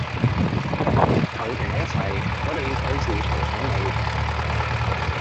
佢同我一齊，我哋費事嘈醒你